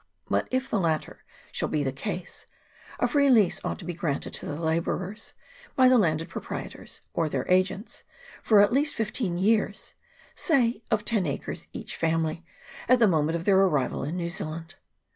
But if the latter shall be the case, a free lease ought to be granted to the labourers, by the landed proprietors, or their agents, for at least fifteen years ; say of ten acres each family, at the moment of their arrival in New Zealand.